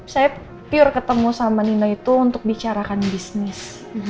saya pure ketemu sama nina itu untuk bicarakan bisnis